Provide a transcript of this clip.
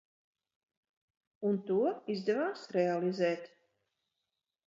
Un to izdevās realizēt.